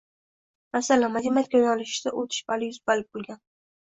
Masalan, matematika yoʻnalishida oʻtish bali yuz ball boʻlgan